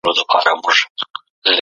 د فيوډالي نظام په ټولنه واکمن و.